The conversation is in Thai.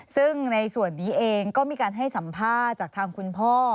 ซึ่งในส่วนนี้เองก็มีการให้สัมภาษณ์จากทางคุณพ่อ